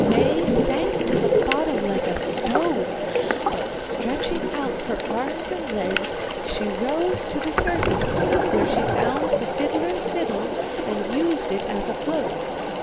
Maie sank to the bottom like a stone, but, stretching out her arms and legs, she rose to the surface, where she found the fiddler's fiddle, and used it as a float.